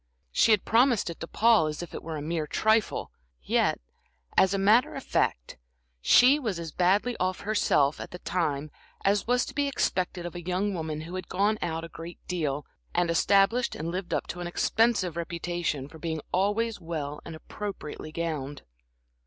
She had promised it to Paul as if it were a mere trifle; yet, as a matter of fact, she was as badly off herself at the time as was to be expected of a young woman who had gone out a great deal, and established and lived up to an expensive reputation for being always well and appropriately gowned.